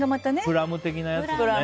プラム的なやつね。